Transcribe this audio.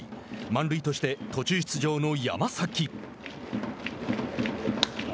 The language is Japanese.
満塁として途中出場の山崎。